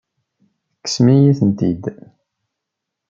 Tekksem-iyi-tent-id.